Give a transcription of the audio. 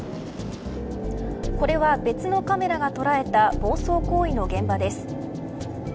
これは、別のカメラが捉えた暴走行為の現場です。